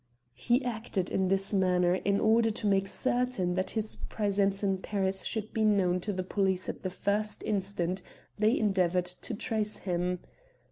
He acted in this manner in order to make certain that his presence in Paris should be known to the police at the first instant they endeavoured to trace him.